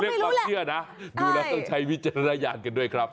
ความเชื่อนะดูแล้วต้องใช้วิจารณญาณกันด้วยครับ